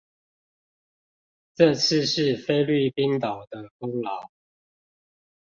這次是菲律賓島的功勞